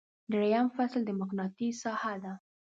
دریم فصل د مقناطیس ساحه ده.